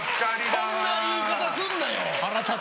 そんな言い方すんなよ！